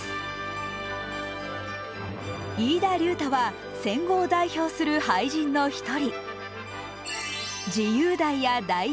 飯田龍太は戦後を代表する俳人の一人。